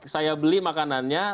saya beli makanannya